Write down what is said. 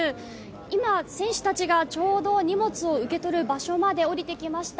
今選手たちがちょうど荷物を受け取る場所まで降りてきました。